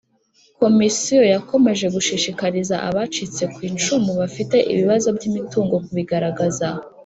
Komisiyo yakomeje gushishikariza abacitse ku icumu bafite ibibazo by’imitungo kubigaragaza